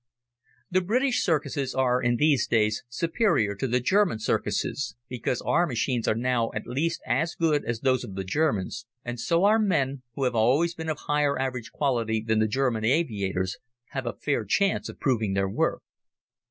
The British "circuses" are in these days superior to the German circuses, because our machines are now at least as good as those of the Germans, and so our men, who have always been of higher average quality than the German aviators, have a fair chance of proving their worth.